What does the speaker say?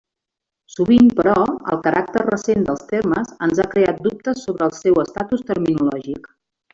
Sovint, però, el caràcter recent dels termes ens ha creat dubtes sobre el seu estatus terminològic.